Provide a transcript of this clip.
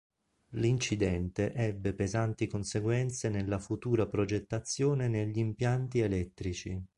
L'incidente ebbe pesanti conseguenze nella futura progettazione negli impianti elettrici.